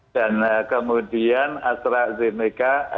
dan kemudian astrazeneca